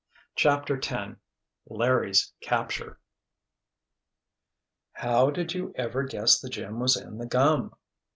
CHAPTER X LARRY'S CAPTURE "How did you ever guess the gem was in the gum?"